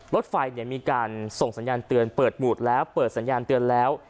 รถไฟมีการส่งสัญญาณเตือนเปิดบูดแล้วเปิดสัญญาณเตือนแล้ว